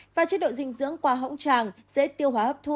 và chế độ dinh dưỡng qua hỗn tràng dễ tiêu hóa hấp thu